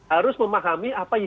harus memahami apa yang